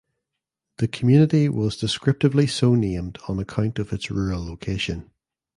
The community was descriptively so named on account of its rural location.